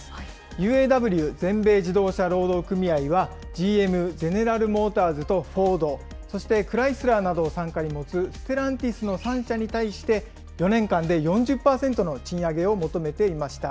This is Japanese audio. ＵＡＷ・全米自動車労働組合は、ＧＭ・ゼネラル・モーターズとフォード、そしてクライスラーなどを傘下に持つステランティスの３社に対して４年間で４０％の賃上げを求めていました。